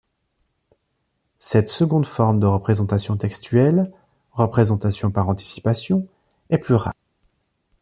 Cette seconde forme de représentation textuelle, représentation par anticipation, est plus rare.